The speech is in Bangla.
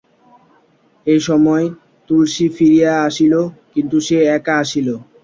এমন সময় তুলসী ফিরিয়া আসিল, কিন্তু সে একা আসিল।